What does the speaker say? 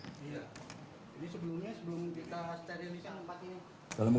jadi sebelumnya sebelum kita sterilisasi tempat ini